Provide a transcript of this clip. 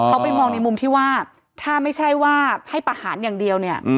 เขาไปมองในมุมที่ว่าถ้าไม่ใช่ว่าให้ประหารอย่างเดียวเนี่ย